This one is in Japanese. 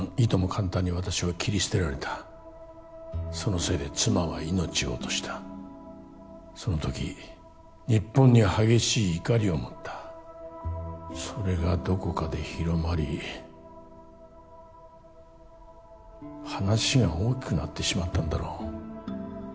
簡単に私は切り捨てられたそのせいで妻は命を落としたその時日本に激しい怒りを持ったそれがどこかで広まり話が大きくなってしまったんだろう